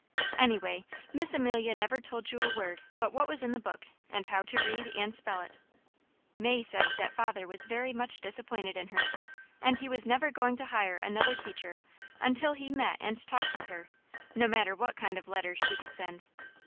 Anyway, Miss Amelia never told you a word but what was in the book, and how to read and spell it. May said that father was very much disappointed in her, and he was never going to hire another teacher until he met and talked with her, no matter what kind of letters she could send.